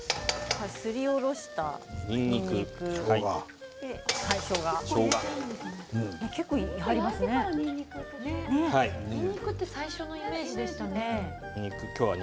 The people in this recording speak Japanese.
すりおろしたにんにくにんにくは最初のイメージですね。